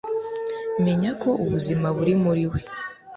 menya ko ubuzima buri muri we